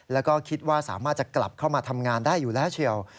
แล้วก็คิดว่าสามารถจะกลับเข้ามาทำงานได้อยู่แล้วเชียว